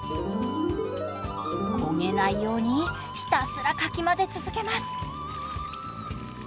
焦げないようにひたすらかき混ぜ続けます。